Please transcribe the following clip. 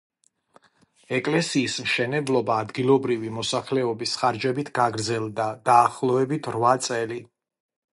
ეკლესიის მშენებლობა ადგილობრივი მოსახლეობის ხარჯებით გაგრძელდა დაახლოებით რვა წელი.